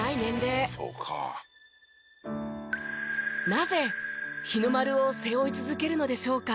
なぜ日の丸を背負い続けるのでしょうか？